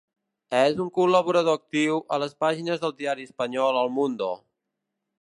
És un col·laborador actiu a les pàgines del diari espanyol El Mundo.